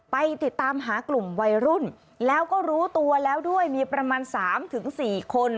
ไปติดตามหากลุ่มวัยรุ่นแล้วก็รู้ตัวแล้วด้วยมีประมาณ๓๔คน